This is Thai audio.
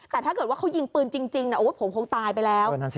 แต่ถ้าเกิดว่าเขายิงปืนจริงผมคงตายไปแล้ว